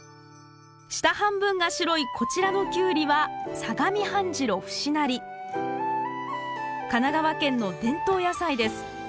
下半分が白いこちらのキュウリは神奈川県の伝統野菜です。